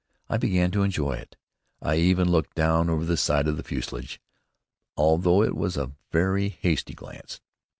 I began to enjoy it. I even looked down over the side of the fuselage, although it was a very hasty glance.